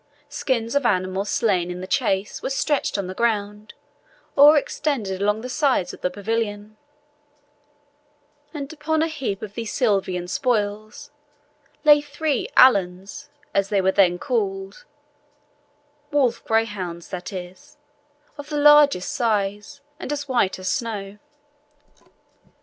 Skins of animals slain in the chase were stretched on the ground, or extended along the sides of the pavilion; and upon a heap of these silvan spoils lay three ALANS, as they were then called (wolf greyhounds, that is), of the largest size, and as white as snow.